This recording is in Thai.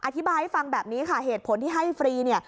อธิบายให้ฟังแบบนี้ค่ะเหตุผลที่ให้ฟรีเนี่ย